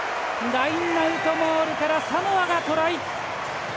ラインアウトモールからサモアがトライ！